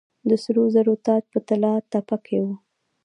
د سرو زرو تاج په طلا تپه کې و